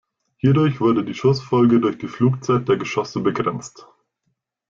Hierdurch wurde die Schussfolge durch die Flugzeit der Geschosse begrenzt.